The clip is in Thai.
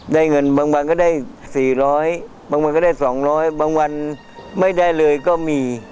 เงินบางวันก็ได้๔๐๐บางวันก็ได้๒๐๐บางวันไม่ได้เลยก็มี